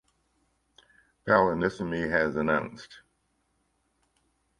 Palanisamy has announced.